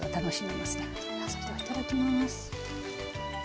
それではいただきます。